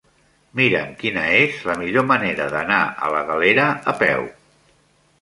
Mira'm quina és la millor manera d'anar a la Galera a peu.